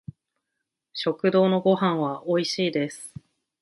食堂のご飯は美味しいです